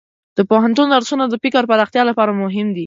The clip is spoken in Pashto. د پوهنتون درسونه د فکر پراختیا لپاره مهم دي.